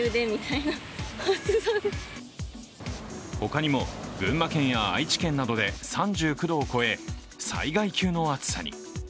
ほかにも群馬県や愛知県などで３９度を超え、災害級の暑さに。